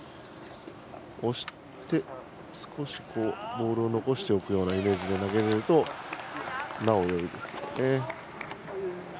押して少しボールを残しておくイメージで投げれるとなお、よいですよね。